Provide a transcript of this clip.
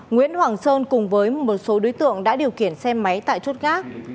nguyễn hoàng sơn cùng với một số đối tượng đã điều khiển xe máy tại chốt gác